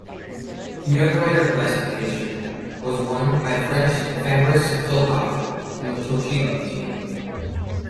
The young rider classification was won by French Fabrice Philipot from the Toshiba team.